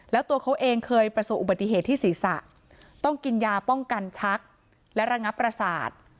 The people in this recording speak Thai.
แล้วตัวเขาเองเคยประสบอุบัติเหตุที่ศีรษะต้องกินยาป้องกันชักและระงับประสาท